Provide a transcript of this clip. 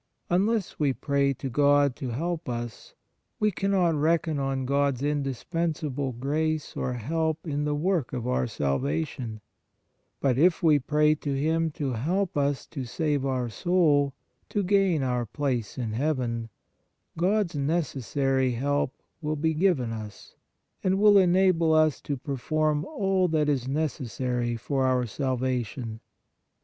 Unless we pray God to help us, we can not reckon on God s indispensable grace or help in the work of our salvation; but if we pray to Him to help us to save our soul, to gain " our place in Heaven," God s necessary help will be given us and will enable us to perform all that is necessary for our salvation.